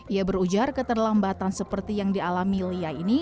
ia berujar keterlambatan seperti yang dialami lia ini